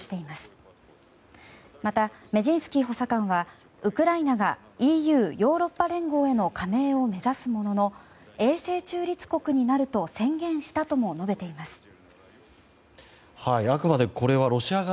また、メジンスキー補佐官はウクライナがＥＵ・ヨーロッパ連合への加盟を目指すものの永世中立国になると宣言したとも述べています。